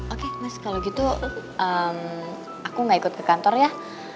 oke mas kalau gitu aku gak ikut ke kantor ya